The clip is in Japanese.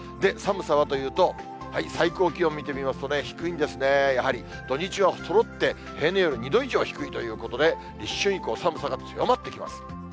寒さはというと、最高気温を見てみますと、低いんですね、やはり、土日はそろって平年より２度以上低いということで、立春以降、寒さが強まってきます。